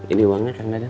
ini uangnya kang dadang